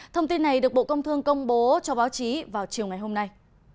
thông tin này được bộ công thương công bố cho báo chí vào chiều ngày hôm nay